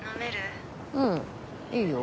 うんいいよ